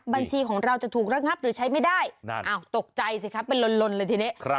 บัญชีของเราจะถูกระงับหรือใช้ไม่ได้อ้าวตกใจสิครับเป็นลนเลยทีนี้